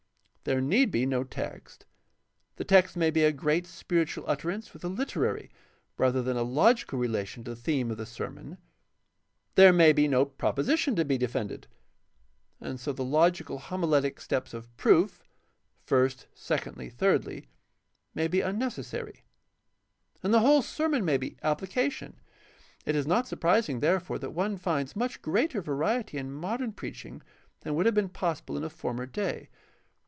There need be no text. The text may be a great spiritual utterance with a literary rather than a logical relation to the theme of the sermon. There may be no proposition to be defended, and so the logical homiletic steps of proof — first, secondly, thirdly — may be unnecessary. And the whole sermon may be applica tion. It is not surprising, therefore, that one finds much greater variety in modem preaching than would have been possible in a former day.